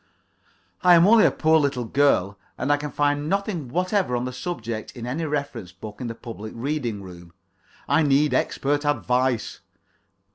I am only a poor little girl, and I can find nothing whatever on the subject in any reference book in the public reading room. I need expert advice.